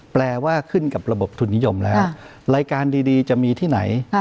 แปลว่าขึ้นกับระบบทุนนิยมแล้วรายการดีจะมีที่ไหน